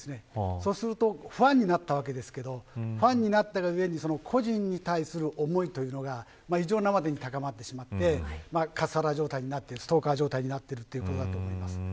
そうするとファンになったわけですがファンになったがゆえに、個人に対する思いというのが異常なまでに高まってカスハラ状態になってストーカー状態になるということだと思います。